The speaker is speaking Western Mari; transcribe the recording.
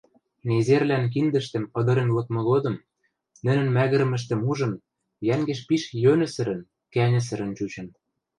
незервлӓн киндӹштӹм ыдырен лыкмы годым, нӹнӹн мӓгӹрӹмӹштӹм ужын, йӓнгеш пиш йӧнӹсӹрӹн, кӓньӹсӹрӹн чучын.